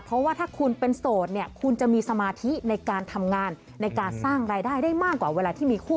เพราะว่าถ้าคุณเป็นโสดเนี่ยคุณจะมีสมาธิในการทำงานในการสร้างรายได้ได้มากกว่าเวลาที่มีคู่